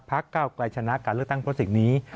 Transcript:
ภาคเก้าใกล้ชนะการเลือกตั้งพลสิทธิ์นี้